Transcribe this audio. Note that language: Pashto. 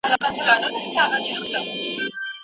په غونډو کي ګډون وکړئ.